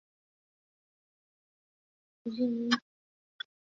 苏利尼亚克。